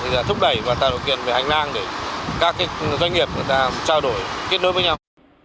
và tạo ra kiện về hành năng để các doanh nghiệp của ta trao đổi kết nối với nhau